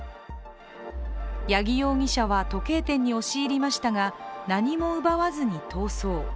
八木容疑者は時計店に押し入りましたが何も奪わずに逃走。